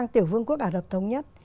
tiểu vương quốc ả rập thống nhất